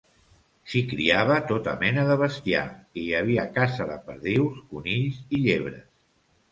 S'hi criava tota mena de bestiar, i hi havia caça de perdius, conills i llebres.